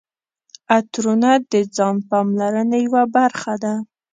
عطرونه د ځان پاملرنې یوه برخه ده.